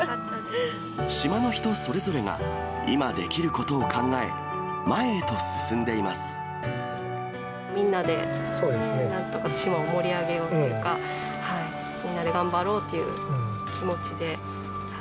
島の人それぞれが今できるこみんなでなんとか島を盛り上げようというか、みんなで頑張ろうという気持ちで。